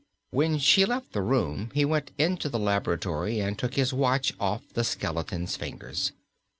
When she left the room he went into the laboratory and took his watch off the skeleton's fingers.